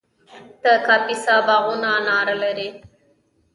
د کاپیسا باغونه انار لري.